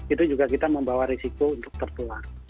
itu juga kita membawa risiko untuk tertular